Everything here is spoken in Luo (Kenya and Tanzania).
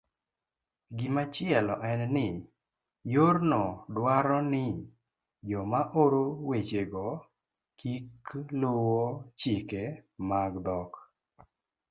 Gimachielo en ni, yorno dwaro ni joma oro wechego kik luwo chike mag dhok